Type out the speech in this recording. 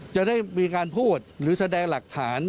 จะได้มีการพูดหรือแสดงหลักฐาน